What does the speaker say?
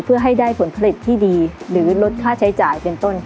เพื่อให้ได้ผลผลิตที่ดีหรือลดค่าใช้จ่ายเป็นต้น